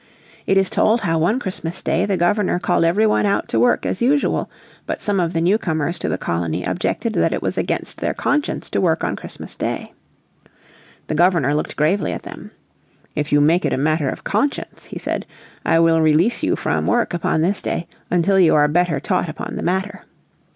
It is told how one Christmas Day the Governor called every one out to work as usual. But some of the newcomers to the colony objected that it was against their conscience to work on Christmas Day. The Governor looked gravely at them. "If you make it a matter of conscience," he said, "I will release you from work upon this day until you are better taught upon the matter."